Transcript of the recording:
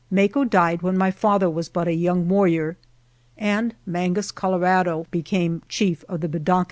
Maco died when my father was but a young warrior, and Mangus Colorado * be came chief of the Bedonkohe Apaches.